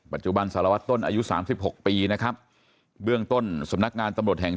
สารวัตรต้นอายุ๓๖ปีนะครับเบื้องต้นสำนักงานตำรวจแห่ง